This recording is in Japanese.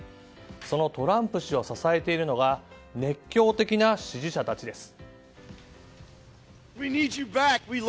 そのトランプ氏を支えているのが熱狂的な支持者たちです。